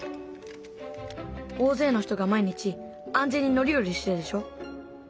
大勢の人が毎日安全に乗り降りしてるでしょ。